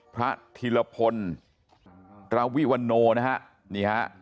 พระธิรพลฯวิวโอน็ว